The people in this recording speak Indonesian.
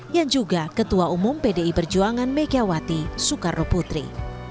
yang juga ketua umum pdi perjuangan megawati soekarno putri